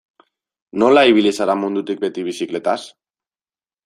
Nola ibili zara mundutik beti bizikletaz?